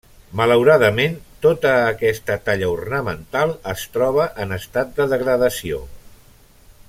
Malauradament tota aquesta talla ornamental es troba en estat de degradació.